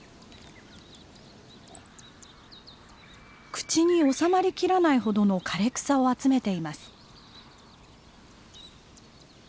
口におさまりきらないほどの枯れ草を集めています。